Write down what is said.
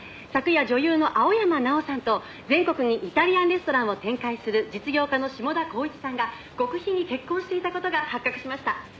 「昨夜女優の青山奈緒さんと全国にイタリアンレストランを展開する実業家の志茂田光一さんが極秘に結婚していた事が発覚しました」